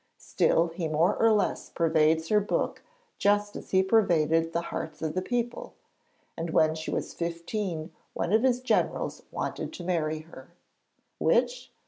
Still, he more or less pervades her book just as he pervaded the hearts of the people, and when she was fifteen one of his generals wanted to marry her. Which?